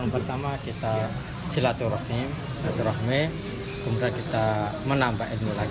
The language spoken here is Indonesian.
pertama kita silaturahim kemudian kita menambah ini lagi